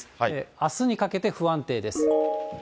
あすにかけて不安定です。